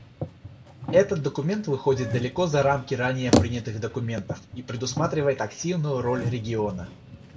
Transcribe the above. Этот документ выходит далеко за рамки ранее принятых документов и предусматривает активную роль региона.